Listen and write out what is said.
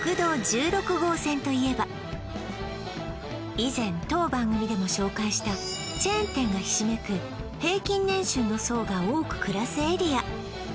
以前当番組でも紹介したチェーン店がひしめく平均年収の層が多く暮らすエリア